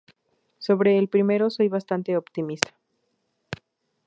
Sobre el primero soy bastante optimista.